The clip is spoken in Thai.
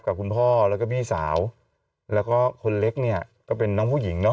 กับคุณพ่อแล้วก็พี่สาวแล้วก็คนเล็กเนี่ยก็เป็นน้องผู้หญิงเนาะ